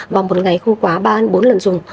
và một ngày không quá ba bốn lần dùng